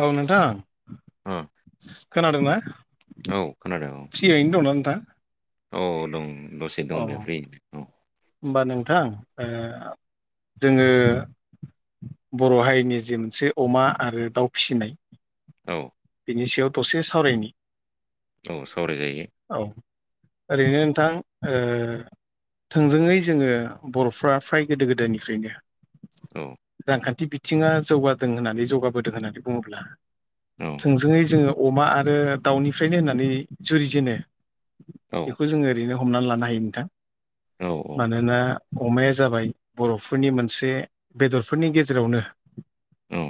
औ नोंथां ओ खोनादों ना औ खोनादों औ औ औ दं दसे अ दं दे फ्रि औ होमबा नोंथां ओ जोङो बर' हारिनि जि मोनसे अमा आरो दाउ फिसिनाय औ बिनि सायाव दसे सावरायनि। औ सावरायजायो औ ओरैनो नोंथां ओ थोंजोङै जोङो बर'फ्रा फ्राय गोदो गोदायनिफ्रायनो औ रांखान्थि बिथिङा जौगादों होननानै जौगाबोदों होननानै बुङोब्ला औ थोंजोङै जोङो अमा आरो दाउनिफ्रायनो होननानै जुरिजेनो औ बेखौ जोंङो ओरैनो हमनानै लानो हायो नोंथां। औ मानोना अमाया जाबाय बर'फोरनि मोनसे बेदरफोरनि गेजेरावनो औ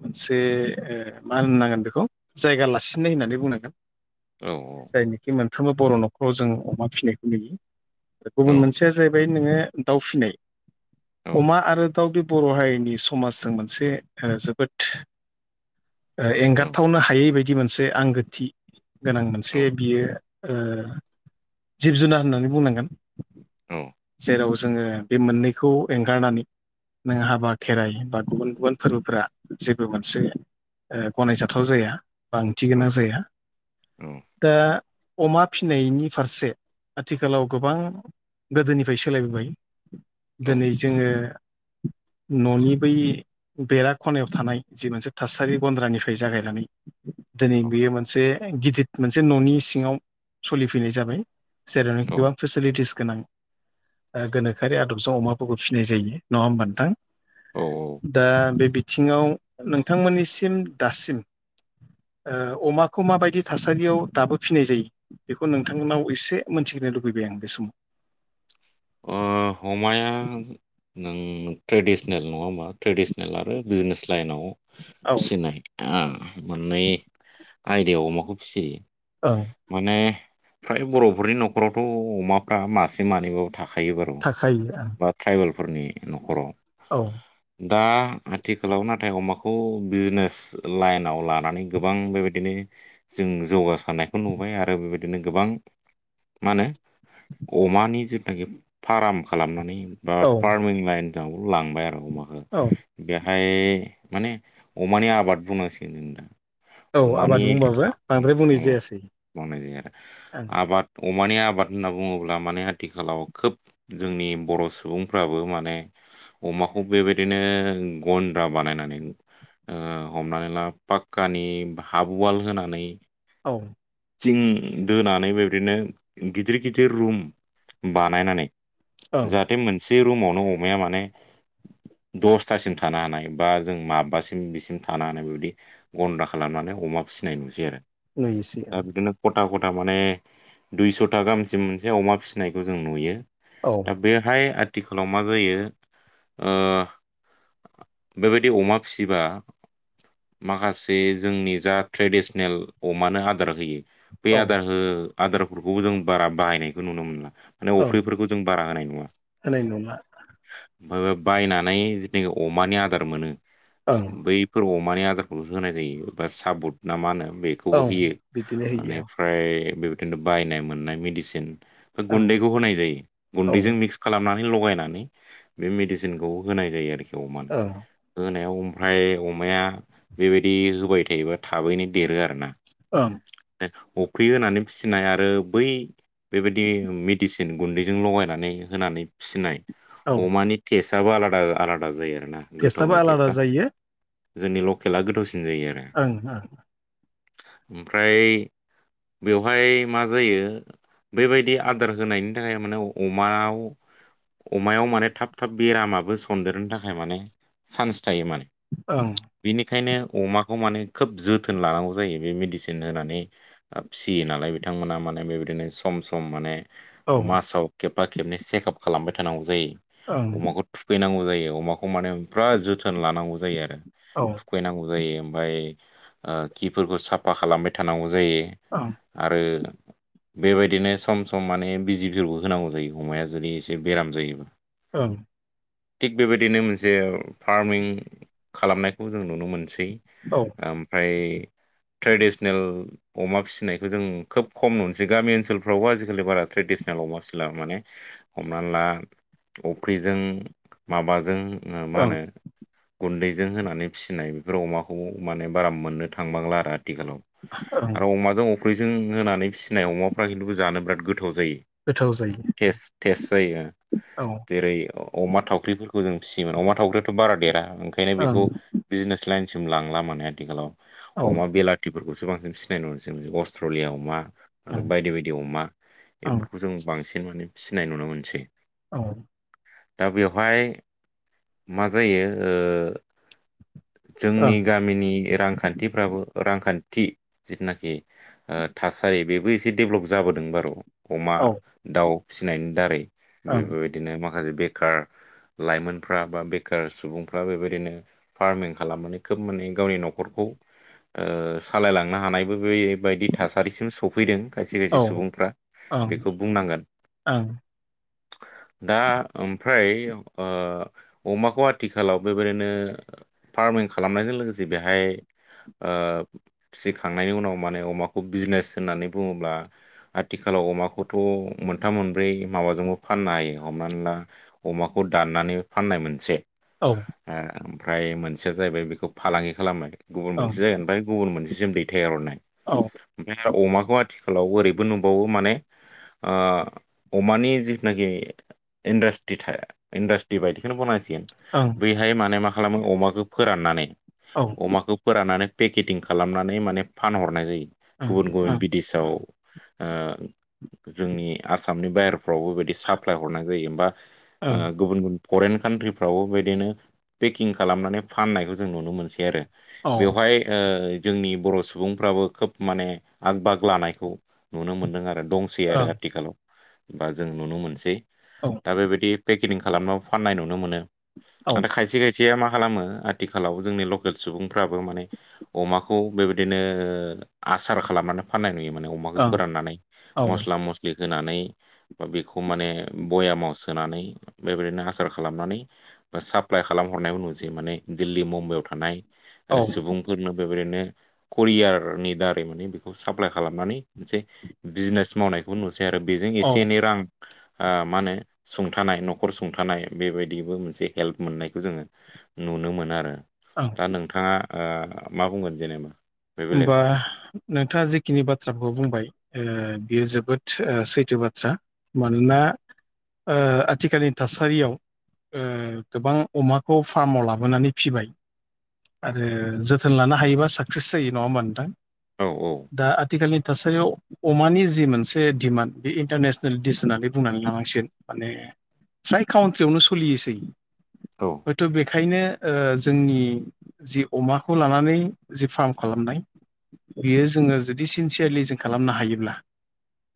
मोनसे ओ मा होननो नांगोन बेखौ जायगा लासिननाय होननानै बुंनांगोन। औ जायनिखि मोनफ्रोमबो बर' न'खराव जों अमा फिसिनायखौ नुयो। आरो गुबुन मोनसेया जाहैबाय नोङो दाउ फिनाय अमा आरो दाउ बर' हारिनि समाजजों मोनसे ओ जोबोद ओ एंगारथावनो हायै बायदि मोनसे आंगोथि गोनां मोनसे बियो ओ जिब जुनार होननानै बुंनांगोन जेराव जोङो बे मोननैखौ एंगारनानै नों हाबा खेराइ बा गुबुन गुबुन फोरबोफोरा जेबो मोनसे ओ गनायजाथाव जाया। बा ओंथि गोनां जाया। दा अमा फिनायनि फारसे आथिखालाव गोबां गोदोनिफ्राय सोलायबोबाय दोनै जोङो [inaudible] न'नि बै बेरा खनायाव थानाय जि मोनसे थासारि गन्द्रानिफ्राय जागायनानै दोनै बेयो मोनसे गिदिद मोनसे न'नि सिङाव सलिफैनाय जाबाय। जेरावनाखि औ गोबां फेसिलिटिस गोनां ओ गोनोखोआरि आदबजों अमाफोरखौ फिनाय जायो नङा होमबा नोंथां? ओ दा बे बिथिङाव नोंथांमोननिसिम दासिम ओ अमाखौ माबायदि थासारियाव दाबो फिनाय जायो बेखौ नोंथांमोननाव एसे मोनथिनो लुबैबाय आं बे समाव अ अमाया नों ट्रेडिसनेल नङा होमबा? ट्रेडिसनेल आरो बिजनेस लाइनाव औ फिसिनाय। आ मोननै आयदायाव अमाखौ फिसियो ओं माने फ्राय बर'फोरनि न'खरावथ' अमाफ्रा मासे मानैबाबो थाखा खायो बारु थाखायो बा ट्राइबेलफोरनि न'खराव। औ दा आथिखालाव नाथाय अमाखौ बिजनेस लाइनाव लानानै गोबां बेबायदिनो जों जौगासारनायखौ नुबाय आरो बेबायदिनो गोबां मा होनो अमानि जितुनि फार्म खालामनानै बा औ फार्मिं लाइनाव लांबाय आरो अमाखो औ बे फ्राय माने अमानि आबाद बुंनांसिगोन जों नोंथां। औ आबाद अमाानि बुंबाबो बांद्राय [unintelligible] बुंनाय जायासै मावनाय जायो आरो। ओं आबाद अमानि आबाद होनना बुङोब्ला माने आथिखालाव खोब जोंनि बर' सुबुंफ्राबो माने अमाखौ बेबायदिनो गन्द्रा बा बानायनानै ओ हमनानै ला पाक्कानि हाफ वाल होनानै औ थिं दोनानै बेबायदिनो गिदिर गिदिर रुम बानायनानै ओं जाहाथे मोनसे रुमावनो अमाया माने [inaudible] दसथासिम थानो हानाय बा जों माबबासिम बिसिम थानो हानाय बेबायदि गन्दा खालामनानै अमा फिसिनाय नुसै आरो। [unintelligible] दा बिदिनो खथा खथा माने दुइस'था गाहामसिम मोनसे अमा फिसिनायखौ जों नुयो। ओं दा बेहाय आथिखालाव मा जायो ओ बेबायदि अमा फिसिबा माखासे जोंनि जा ट्रेडिसनेल अमानो आदार होयो बे औ आदार हो आदारफोरखौबो जों बारा बाहायनायखौ नुनो मोनला। माने औ अफ्रिफोरखौ जों बारा होनाय नुवा। होनाय नंला ओमफ्राय बायनानै जेनाखि अमानि आदार मोनो ओं बैफोर अम अमानि आदारखौ होनाय जायो एबा साबुद ना मा होनो बेखौबो औ होयो। बिदिनो होयो। बे बेबादिनो बायनाय मोननाय मेदिसिन ओं गुन्दैखौ होनाय जायो औ गुन्दैजों मिक्स खालामनानै बिदिनो लगायनानै बे मेडिसिनखौ होनाय जायो आरोखि अमानो। औ होनायाव फ्राय अमाया बेबायदि होबाय थायोबा थाबैनो देरो आरो ना। थां अफ्रि होनानै फिसिनाय आरो बै बेबायदि मेडिसिन गुन्दैजों लगायनानै होनानै फिसिनाय। औ अमानि टेस्टआबो आलादा आलादा जायो आरो। टेस्टाबो आलादा जायो। जोंनि लकेला गोथावसिन जायो आरो ओं ओमफ्राय बेवहाय मा जायो बैबायदि आदार होनायनि थाखाय माने अमायाव अमायाव माने थाब थाब बेरामाबो सन्देरनो थाखाय माने चान्स थायो माने। औ बेंखायनो अमाखौ माने खोब जोथोन लानांगौ जायो बे मेदिसिन मसिन होनानै फिसियो नालाय बिथांमोना माने बेबायदिनो सम सम माने। ओं मासाव खेबबा खेबनै चेकआप खालामबाय थानांगौ जायो अमाखौ थुखैनांगौ जायो। अमाखौ माने फुराद जोथोन लानांगौ जायो आरो औ ओं थुखैनांगौ जायो ओमफ्राय। खिफोरखौ साफा खालामबाय थानांगौ जायो औ आरो। बेबायदिनो सम सम माने बिजिफोरखौ होनांगौ जायो अमाया जुदि एसे बेराम जायोबा औ थिग बेबायदिनो मोनसे फार्मिं खालामनायखौ जों नुनो मोनसै। ओं औ ओमफ्राय ट्रेडिसनेल अमा फिसिनायखौ जों खोब खम नुनोसै गामि ओनसोलफ्रावबो आजिखालि बारा ट्रेडिसनेल। दमा सिला माने हमना ला अफ्रिजों माबाजों। मानो ओं गन्दै जों होनानै फिसिनाय बेफोर अमाखौ माने बारा मोननो थांबांला आरो दा। आथिखालाव ओं आरो अमाजों अख्रिजों होनानै फिसिनाय अमाफ्रा खिन्थु जानो बिराद गद गोथाव जायो जेस जायो। औ ओं जेरै अमा थावख्रिफोरखौ जों फिसियोमोन अमा थावख्रियाथ' बारा देरा ओंखायनो औ बेखौ बिजनेस लाइन। जोम लांला माने आथिखालाव ओं अमा बेलाथिफोरखौसो बांसिन सिनाय न जों अस्ट्रलिया अमा। ओं बायदि बायदि अमा औ ओं बेफोरखौ जों बांसिन माने फिनाय नुनो मोनसै। औ। दा बेवहाय मा जायो। जोंनि ओं गामिनि रांखान्थिफ्राबो रां। खान्थि जिथुनाखि थासारि बेबो एसे दडेभलप जाबोदों बार' अमा औ दाउ फिसिनायनि दारै बेफोरबायदिनो माखासे बेखार लाइमोनफ्रा बा बेखार सुबुंफ्रा बेबायदिनो फार्मिं खालामनानै खोब माने गावनि न'खरखौ। सालायलांनो हानायबो बेबायदि थासारिसिम सफैदों। खायसे खायसे सुबुंफ्रा बेखौ बुंनांगोन औ दा ओमफ्राय अमाखौ आथिखालाव बेबायदिनो र फार्मिं खालामनायजों लोगोसे बेहाय फिसिखांनायनि उनाव माने अमाखौ बिजनेस होननानै बुङोब्ला आथिखालाव अमाखौथ' मोनथाम मोनब्रै माबाजोंबो फाननो हायो हमनानै ला अमाखौ दाननानै फाननाय मोनसे। औ ओमफ्राय मोनसेया जाहैबाय बेखौ फालांगि खालामबाय। गुबुन ओं मोनसे जागोन ओमफ्राय गुबुन मोनसे जम दैथायनाय औ ओमफ्राय। अमाखौ आथिखालाव ओरैबो नुबावो माने अमानि जिथुनाखि इन्डास्ट्रि थाया इन्डास्ट्रि बायदिखौनो बनायसिग ओं बैहाय माने मा खालामो अमाखौ फोराननानै औ ओं अमाखौ फोराननानै। पेकेटिं खालामनानै माने फानहरनाय जायो ओं गुबुन गुबुन बिदेशाव। जोंनि आसामनि बाहेरफ्रावबोबायदि साप्लाय हरनाय जायोबा। ओं गुबुन गुबुन फरेन कान्ट्रिफ्रावबो बेदिनो पेकिं खालामनानै फाननायखौ जों नुनो मोनसै आरो औ बेवहाय जोंनि बर' सुबुंफ्राबो खोब माने आग बाग लानायखौ नुनो मोनदों आरो। दंसै ओं औ आरो आथिखालाव बा जों नुनो मोनसै ओं दा बेबायदि। लिं खालामनाय फाननाय नुनो मोनो आा खायसे खायसे। खिया मा खालामो आथिखालाव जोंनि लकेल सुबुंफ्राबो माने अमाखौ। खौ बेबायदिनो आसार खालामनानै फाननाय नुयोमोन। फोरनानै औ म होनानै बा बेखौ माने बयामाव सोनानै बेबायदिनो आसार खालामनानै। ब साप्लााय खालाम हरनायबो नुजै माने दिल्ली मुम्बाइयाव थानाय औ औ सुबुंफोरनो बे बिरैनो करियारनि दारै माने बेखौ साप्लााय खालामनानै मोनसे बिजनेस मावनायखौ नु ै आरो बेजों एसे ओं एनै रां मा होनो सुंथानाय न'खर सुंथानाय बेबायदिबो मोनसे हेल्प मोननायखौ जोङो नुनो मोन आरो दा नोंथाङा मा बुंगोन जेनेबा बे बेलायाव होमबा नोंथाङा जिेखिनि बाथ्राफोरखौ बुंबाय बियो जोब जोबोद सैथो बाथ्रा मानोना आथिखालनि थासारियाव गोबां अमाखौ फार्माव लाबोनानै फिबाय आरो जोथोन लानो हायोबा साक्सेस जायो नङा होमा नोंथां औ दा आथिखालनि थासारियाव अमानि जि मोनसे डिमान्ड बे इन्टारनेसनेल दिडिस होननानै बुंनानै लानांसिन माने फ्राय काउन्ट्रियावनो सोलियोसै हयथ' बे ओखायनो जोंनि जि अमाखौ लानानै जि फार्म खालामनाय बियो जोङो जुदि सिनसियारलि जों खालामनो हायोब्ला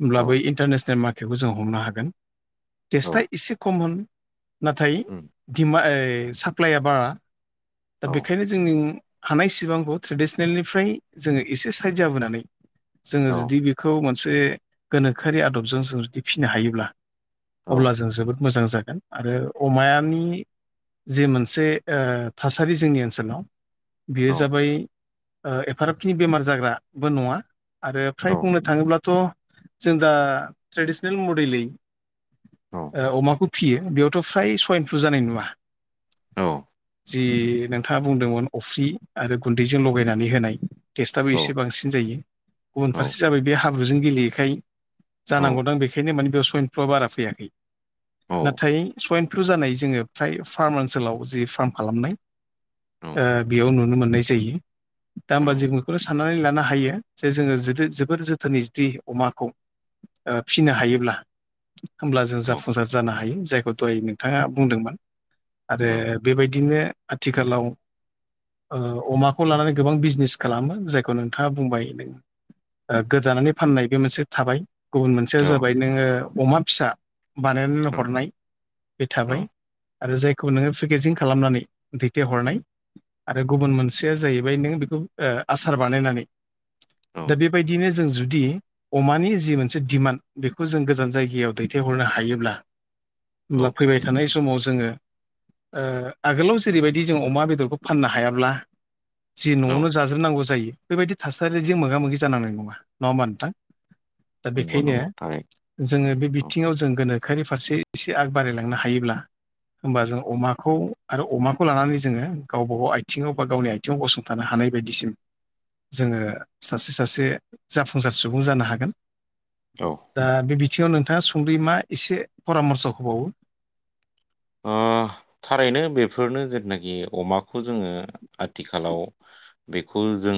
होमब्ला बै औ इन्टारनेसनेल मार्केटखौ जों हमनो हागोन औ टेस्टआ एसे खममोन। नाथाय उम दिमा साप्लाइया बारा दा औ बेखायनो जोंनि हानाय सिबांखौ ट्रेडिसनेलनिफ्राय जोङो एसे साइड जाबोनानै जोङो औ जुदि बेखौ मोनसे गोनोखोआरि आदबजों जों जुदि फिसिनो हायोब्ला औ अब्ला जों जोबोद मोजां जागोन आरो अमानि जि मोनसे थासारि जोंनि ओनसोलाव बेयो औ जाबाय एफाराबखिनि बेमार जाग्राबो नङा आरो फ्राय औ बुंनो थाङोब्लाथ' जों दा ट्रेडिसनेल मडेलै औ अमाखौ फियो बेयावथ' फ्राय सइनफ्लु जानाय नुवा औ। जि नोंथाङा बुंदोंमोन अफ्रि आरो गुन्दैजों लगायनानै होनाय टेस्टआबो एसे बांसिन जायो गुबुन औ फारसे जाबाय बे हाब्रुजों गेलेयैखाय औ जानांगौ दं बेखायनो माने बेयाव सयन फ्लआ बारा फैयाखै नाथाय सयन जानाय जोङो फ्राय फार्म ओनसोलाव जि फार्म खालामनाय ओ बेयाव नुनो मोननाय। जायो दा होमबा जिकुनु साननानै ला। ना हायो जे जोङो जोबोर जोथोनै जुदि अमाखौ। ओ फिनो हायोब्ला। होमब्ला जों जाफुंसार जानो हायो जायखौ दहै नोंथाङा बुंदोंमोन। आरो बेबायदिनो आथिखालाव ओ। अमाखौ लानानै गोबां बिजनेस खालामो जायखौ नोंथाङा बुंबाय नों। गोदानानै फाननाय बे मोनसे थाबाय गुबुन मोनसेया जाबाय नोङो अमा फिसा। बानायनानै हरनाय बे औ थाबाय आरो जायखौ नोङो पेकेजिं खालामनानै दैथायहरनाय आरो गुबुन मोनसेया जाहैबाय नों बेखौ ओ आसार बानायनानै दा बेबायदिनो जों जुदि अमानि जि मोनसे दिमान्ड बेखौ जों गोजान जायगायाव दैथायहरनो हायोब्ला औ होमब्ला फैबाय थानाय समाव जोङो ओ आगोलाव जेरैबायदि जों अमा बेदरखौ फाननो हायाब्ला जि न'आवनो जाजोबनांगौ जायो। बेबायदि थासारिजों मोगा मोगि जानांनाय नङा। नङा होमबा नोंथां? दा नंगौ बेखायनो नंगौ थारै जोङो बे औ बिथिङाव जों गोनोख। खारि फारसे एसे आग बारायलांनो हायोब्ला। होमबा जों अमाखौ आरो अमाखौ लानानै जोङो गावबागाव आथिङाव बा गावनि आथि आथिं गसंथानो हानाय बायदिसिम। जोङो सासे सासे जाफुंसार सुबुं जानो हागोन। औ दा बे आथिङयाव नोंथाङा सुंद्रि मा एसे परामर्स होबावो। ओ थारैनो बेफोरनो जेथनाखि अमाखौ जोङो आथिखालाव बेखौ जों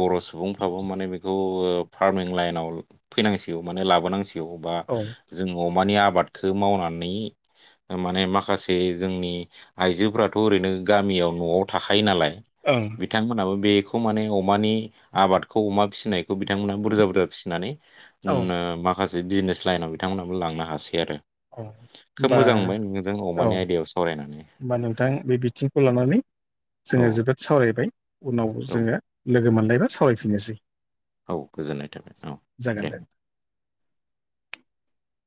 बर' सुबुंफ्राबो माने बेखौ ओ फार्मिं लाइनाव फैनांसिगौ माने लाबोनांसि गेव बा औ जों अमानि आबादखो मावनानै ओ माने मा खासे जोंनि आइजोफ्राथ' ओरैनो गामियाव न'आव थाखायो नालाय। ओं बिथांमोनाबो बेखौ माने अमानि आबादखौ अमा फिसिनाय खौ बिथांमोना बुरजा बुरजा फिसिनानै औ उम नो माखासे बिजनेस लाइनाव बिथांमोनाबो लांनो हासै आरो। अ होमबा जों औ अमानि आयदायाव सावराय होमबा नोंथां बे बिथिंखौ लानानै औ जोङो जोबोद सावरायबाय उनाव औ जोङो लोगो मोनलायबा सावरायफिनोसै। औ गोजोननाय थाबाय औ दे।